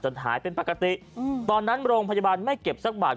หายเป็นปกติตอนนั้นโรงพยาบาลไม่เก็บสักบาท